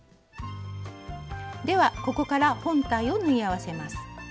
ではここから本体を縫い合わせます。